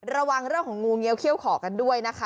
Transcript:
ระวังเรื่องของงูเงี้ยเขี้ยขอกันด้วยนะคะ